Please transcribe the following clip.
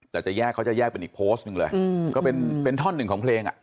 แต่จะแยกเป็นอีกโพสต์นึงเลยก็เป็นท่อนึงของเพลง